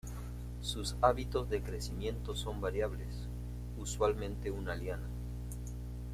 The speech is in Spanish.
Sus hábitos de crecimiento son variables, usualmente una liana.